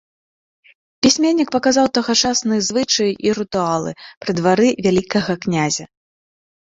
Пісьменнік паказаў тагачасныя звычаі і рытуалы пры двары вялікага князя.